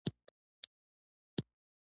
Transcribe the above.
امنیت د دې ولایت غوره ډالۍ وي.